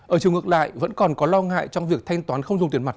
ở chiều ngược lại vẫn còn có lo ngại trong việc thanh toán không dùng tiền mặt